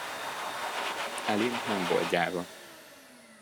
Aline nem volt gyáva.